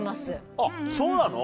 あっそうなの？